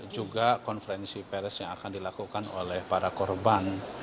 juga konferensi peres yang akan dilakukan oleh pak agung gemelar